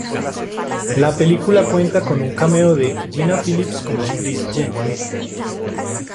La película cuenta con un cameo de Gina Philips como Trish Jenner.